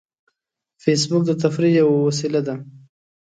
فېسبوک د تفریح یوه وسیله ده